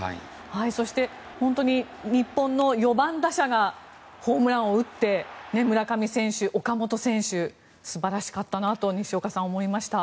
そして、本当に日本の４番打者がホームランを打って村上選手、岡本選手素晴らしかったなと西岡さん、思いました。